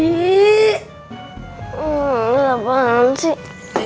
eh apaan sih